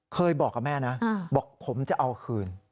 เคยบอกกับแม่นะบอกผมจะเอาคืน